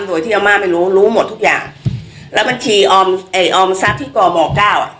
โดยที่อาม่าไม่รู้รู้หมดทุกอย่างแล้วบางทีออมเอ่ยออมซักที่กมเก้า